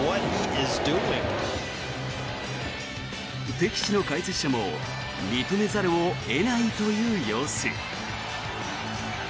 敵地の解説者も認めざるを得ないという様子。